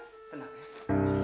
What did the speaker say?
tidak apa apa tenang